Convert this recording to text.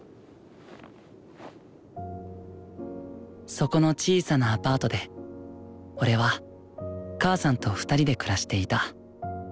そこの小さなアパートで俺は母さんと２人で暮らしていた。